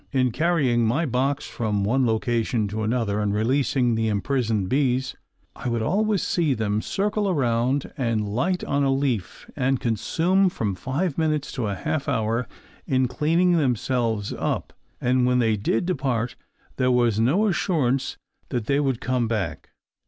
In carrying my box from one location to another and releasing the imprisoned bees I would always see them circle around and light on a leaf and consume from five minutes to a half hour in cleaning themselves up and when they did depart, there was no assurance that they would come back.